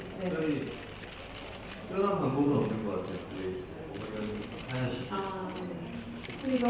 ศเวลาถ่ายข่าวข้าพยนตร์หรือสิ่งที่นี่ล่ะ